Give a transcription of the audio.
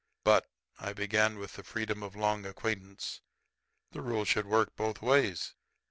"But," I began, with the freedom of long acquaintance, "the rule should work both ways.